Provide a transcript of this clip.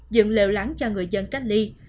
dựng lều lắng cho người dân cách ly